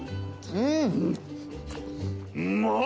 うん。